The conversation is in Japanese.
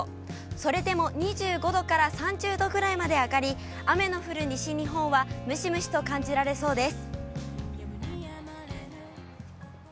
それでも２５度から３０度くらいまで上がり、雨の降る西日本はムシムシと感じられそうです。